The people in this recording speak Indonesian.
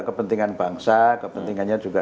kepentingan bangsa kepentingannya juga